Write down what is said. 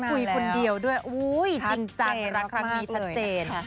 คุยคนเดียวด้วยจริงจังรักรักมีชัดเจน